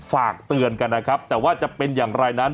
ฝากเตือนกันนะครับแต่ว่าจะเป็นอย่างไรนั้น